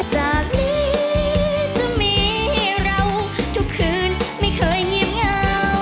จากนี้จะมีเราทุกคืนไม่เคยเงียบเหงา